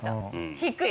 低い。